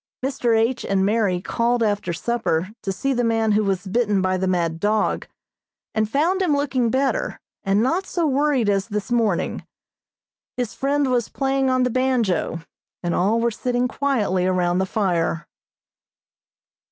Mr. H. and Mary called after supper to see the man who was bitten by the mad dog, and found him looking better, and not so worried as this morning. His friend was playing on the banjo, and all were sitting quietly around the fire.